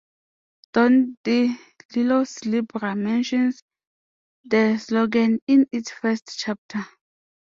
Don De Lillo's "Libra" mentions the slogan in its first chapter.